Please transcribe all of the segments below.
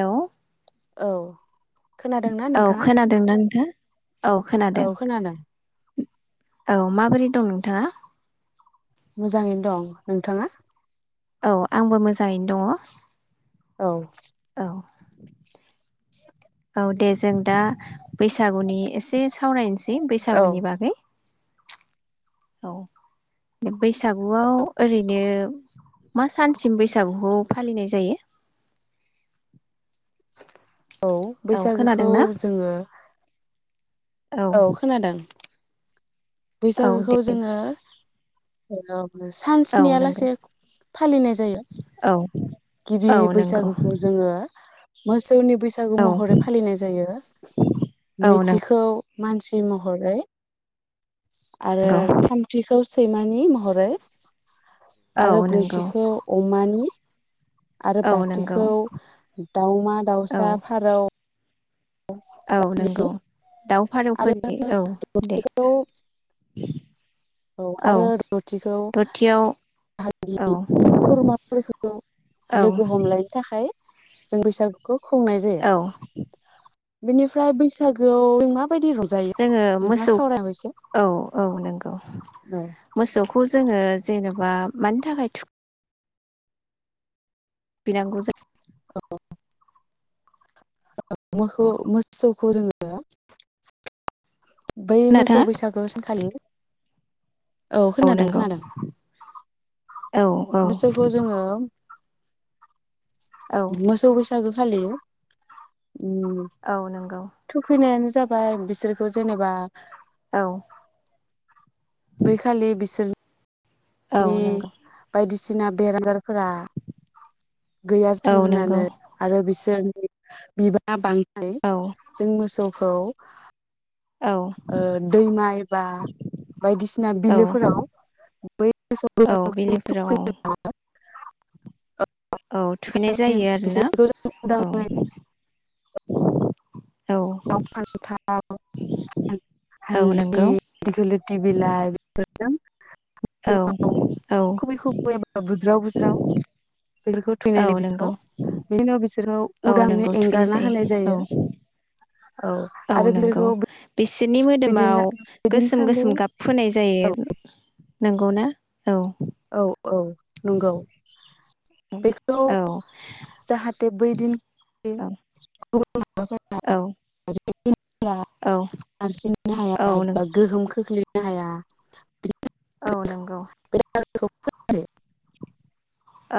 हेल' औ खोनादोंना औ नोंथाङा? खोनादोंना नोंथां औ खोनादों औ माबोरै दं नोंथाङा? मोजाङैनो दं नोंथाङा औ आंबो मोजाङैनो दङ। औ औ औ दे जों दा बैसागुनि एसे सावरायनोसै औ बैसागुनि बागै औ बैसागुआव ओरैनो मा सानसिम बैसागुखौ फालिनाय जायो? औ बैसागोखौ जोङो औ खोनादों औ बैसागोखौ दे जोङो ओ औ सानस्नि नंगौ लासे फालिनाय जायो औ गिबि औ नंगौ बैसागुखौ जोङो मोसौनि बैसागु बैसागु औ महरै फालिनाय जायो औ नैथिखौ मानसि महरै। आरो नंगौ थामथिखौ सैमानि महरै औ आरो नंगौ ब्रैथिखौ अमानि आरो औ नंगौ बाथिखौ औ दाावमा-दाउसा फारौ औ नंगौ दाउ आरो फारौफोरनि औ दे बेखौ औ आरो दथिखौ दथियाव औ बागि खुरमाफोरखौ औ लोगो हमलायनो थाखाय जों बैसागुखौ खुंनाय जायो। औ बेनिफ्राय बैसागोआव माबायदि रं जोङो मोसौ औ औ नंगौ। औ मोसौखौ जोङो जेनेबा मानि थाखाय थु खैनांगौ जायो औ जायो मोखौ मोसौखौ रोङो बै खोनादोंना मोसौ बैसागो सानखालि औ खोनादों खोनादों औ औ बोसौखौ जोङो औ मोसौ बैसागो खालि उम औ नोंगौ थुखैनायानो जाबाय बिसोरखौ जेनेबा औ बैखालि बिसोर औ नंगौ बायदिसिना बेराम आजारफोरा औ गैयाजाथों नंगौ होननानै आरो बिसोरनि बिबांआ बांथों औ होननानै जों मोसौखौ औ ओ दैमा एबा बा बायदिसिना औ बिलोफोराव बै मोसौ बैसागुखौ र' औ थुखैनाय जायो आरोना बिसोरखौ जों औ उदाङै औ लाव -फान्थाव औ हालदि नंगौ दिगिलिथि बिलाइ बेफोरजों औ औ खुबै खुबै बा बुज्राव बुज्राव बेफोरजों औ थुखैनाय जायो नंगौ बिसोरखौ बिनि उनाव बिसोरखौ औ नंगौ उदाङैनो थुखैनाय एंगारना होनाय औ जायो। औ औ आरो नंगौ बिसोरखौ बिसोरनि बिदिनो मोदोमाव गोसोम बिदिनखालि गोसोम गाब फोननाय औ जायो नंगौना औ औ औ नंगौ बेखौ औ जाहाथे बे बैदिन खालि औ गुबुन माबाफोरा जुनारफोरा औ नारसिननो औ हाया बा नंगौ गोहोम खोख्लैनो हाया औ नंगौ दागोखौ फोन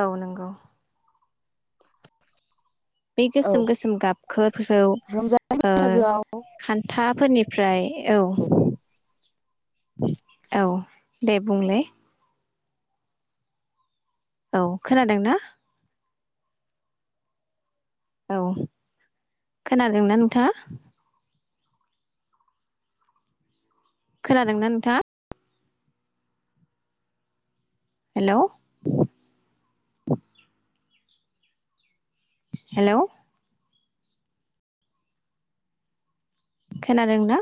औ नंगौ बे औ गोसोम गोसोम गाबफोरखौ रंजानाय ओ बैसागोआव खान्थाफोरनिफ्राय औ औ दे बुंलाय औ खोनादों ना? औ खोनादोंना नोंथाङा? खोनादों ना नोंथांआ? हेलौ हेलौ खोनादों ना?